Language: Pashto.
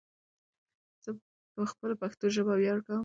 ځه په خپله پشتو ژبه ویاړ کوم